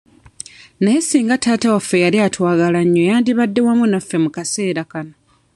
Naye singa taata waffe yali atwagala nnyo yandibadde wamu naffe mu kaseera kano.